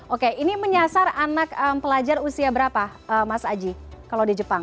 oke ini menyasar anak pelajar usia berapa mas aji kalau di jepang